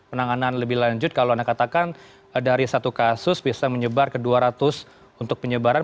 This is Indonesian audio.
penanganan lebih lanjut kalau anda katakan dari satu kasus bisa menyebar ke dua ratus untuk penyebaran